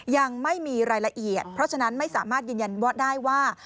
ยังไม่มีรายละเอียดเพราะฉะนั้นไม่สามารถยืนยันว่าได้ว่า